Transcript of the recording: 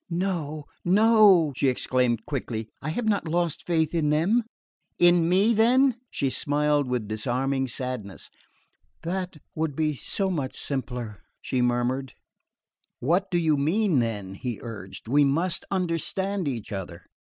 "No, no," she exclaimed quickly, "I have not lost faith in them " "In me, then?" She smiled with a disarming sadness. "That would be so much simpler!" she murmured. "What do you mean, then?" he urged. "We must understand each other."